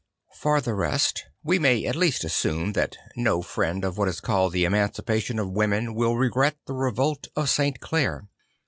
For the rest we may at least assume that no friend of what is called the emancipation of women will regret the revolt of St. Clare.